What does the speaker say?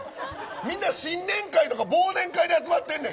みんな新年会とか忘年会で集まってんねん。